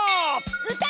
うた！